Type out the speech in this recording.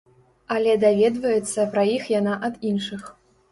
Але даведваецца пра іх яна ад іншых.